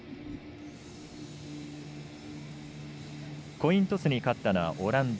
コイントスに勝ったのはオランダ。